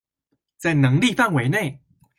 在能力範圍內